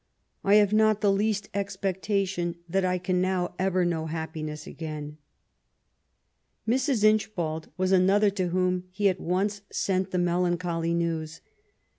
I have not the least expectation that I can now ever know happiness again." Mrs. Inchbald was another to whom he at once sent the melancholy news.